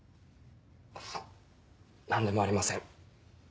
何でもありません。